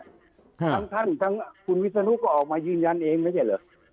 ทั้งท่านทั้งคุณวิศนุก็ออกมายืนยันเองไม่ใช่เหรอ